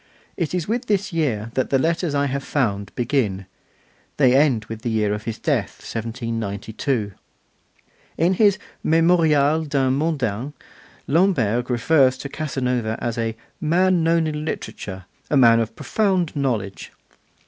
It is with this year that the letters I have found begin: they end with the year of his death, 1792. In his 'Memorial d'un Mondain' Lamberg refers to Casanova as 'a man known in literature, a man of profound knowledge.